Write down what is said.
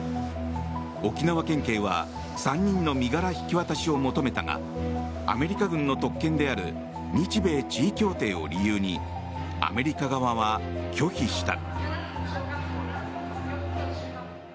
沖縄県警は３人の身柄引き渡しを求めたがアメリカ軍の特権である日米地位協定を理由にアメリカ側は拒否した。